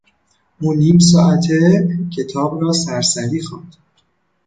او نیم ساعته کتاب را سرسری خواند.